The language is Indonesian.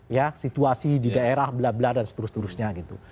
ya situasi di daerah bla bla dan seterusnya gitu